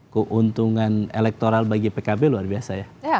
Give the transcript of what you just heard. keuntungan elektoral bagi pkb luar biasa ya